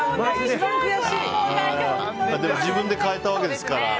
でも自分で変えたわけですから。